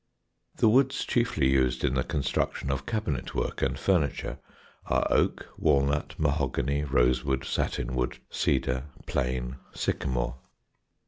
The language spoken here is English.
The woods chiefly used in the construction of cabinet work and furniture are oak, walnut, mahogany, rosewood, satin wood, cedar, plane, sycamore.